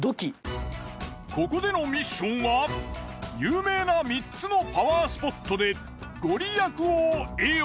ここでのミッションは有名な３つのパワースポットでご利益を得よ。